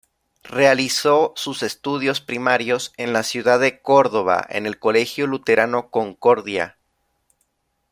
Realizó sus estudios primarios en la ciudad de Córdoba, en el Colegio Luterano Concordia.